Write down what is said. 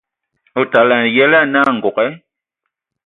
Otana a yǝlǝ anǝ angoge,